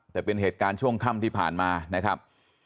แต่เป็นเหตุการณ์ช่วงค่ำที่ผ่านมานะครับ